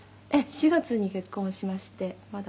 ４月に結婚をしましてまだ」